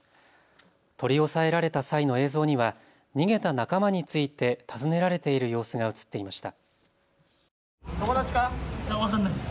取り押さえられた際の映像には逃げた仲間について尋ねられている様子が映っていました。